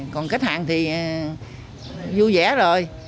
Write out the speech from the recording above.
còn khách hàng thì vui vẻ rồi